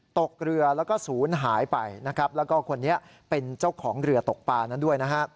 ตกเรือแล้วก็ศูนย์หายไปนะครับแล้วก็คนนี้เป็นเจ้าของเรือตกปลานั้นด้วยนะฮะ